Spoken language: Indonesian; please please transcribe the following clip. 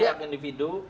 ketak sifil dan individu